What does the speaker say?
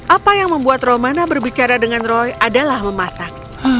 apa yang membuat romana berbicara dengan roy adalah memasak